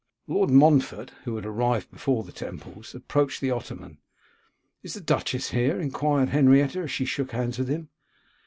Lord Montfort, who had arrived before the Temples, approached the ottoman. 'Is the duchess here?' enquired Henrietta, as she shook hands with him.